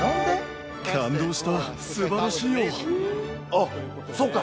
あっそっか！